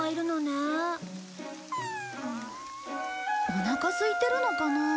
おなかすいてるのかなあ？